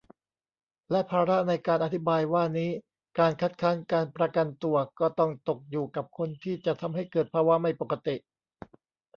และภาระในการอธิบายว่านี้ การ "คัดค้านการประกันตัว" ก็ต้องตกอยู่กับคนที่จะทำให้เกิดภาวะไม่ปกติ